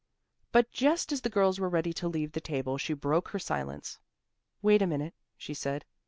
But just as the girls were ready to leave the table she broke her silence. "Wait a minute," she said.